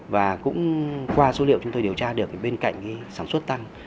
và cũng qua số liệu chúng tôi điều tra được bên cạnh sản xuất tăng